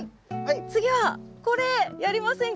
次はこれやりませんか？